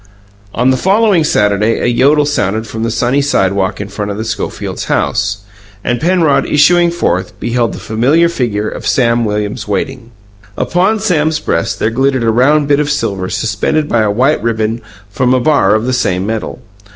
... On the following Saturday a yodel sounded from the sunny sidewalk in front of the Schofields' house, and Penrod, issuing forth, beheld the familiar figure of Samuel Williams waiting. Upon Sam's breast there glittered a round bit of silver suspended by a white ribbon from a bar of the same metal.